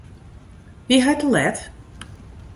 Wie hy te let?